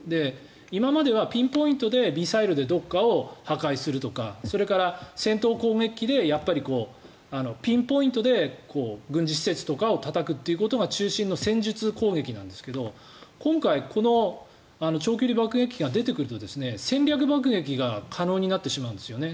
今まではピンポイントでミサイルをどこか破壊するとかそれから戦闘攻撃機でやっぱりピンポイントで軍事施設とかをたたくということが中心に戦術攻撃なんですけど今回この長距離爆撃機が出てくると戦略爆撃が可能になってしまうんですよね。